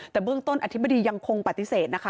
แต่เบื้องต้นอธิบดียังคงปฏิเสธนะคะ